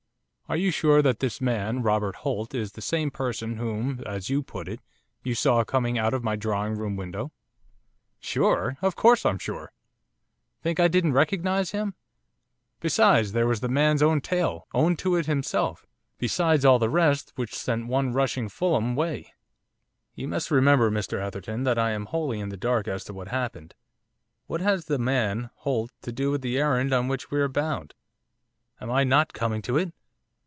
'Are you sure that this man, Robert Holt, is the same person whom, as you put it, you saw coming out of my drawing room window?' 'Sure! Of course I'm sure! Think I didn't recognise him? Besides, there was the man's own tale, owned to it himself, besides all the rest, which sent one rushing Fulham way.' 'You must remember, Mr Atherton, that I am wholly in the dark as to what has happened. What has the man, Holt, to do with the errand on which we are bound?' 'Am I not coming to it?